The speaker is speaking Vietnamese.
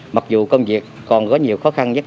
mặc dù công việc còn có nhiều khó khăn